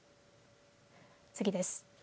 次です。